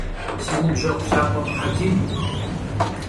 Si nıbjeğu lhap'e Muhedin!